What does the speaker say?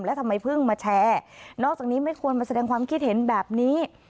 แล้วทำไมเพิ่งมาแชร์นอกจากนี้ไม่ควรมาแสดงความคิดเห็นแบบนี้